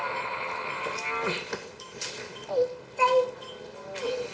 痛い。